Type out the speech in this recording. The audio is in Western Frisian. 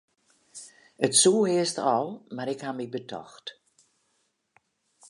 It soe earst al, mar ik haw my betocht.